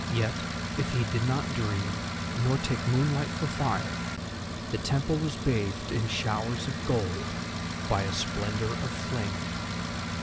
Yet, if he did not dream, nor take moonlight for fire, the temple was bathed in showers of gold by a splendour of flame.